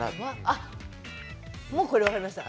あっもうこれ分かりました。